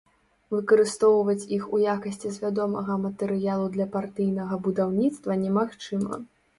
Выкарыстоўваць іх у якасці свядомага матэрыялу для партыйнага будаўніцтва немагчыма.